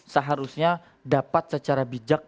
seharusnya dapat secara bijak